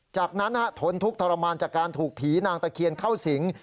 จากนั้นทนทุกข์ทรมานจากการถูกผีนางตะเคียนเข้าสิง